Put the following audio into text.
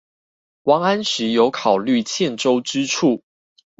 王安石有考慮欠周之處